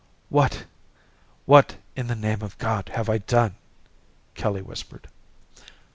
"What what in the name of God have I done?" Kelly whispered.